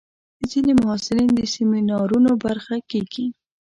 ځینې محصلین د سیمینارونو برخه کېږي.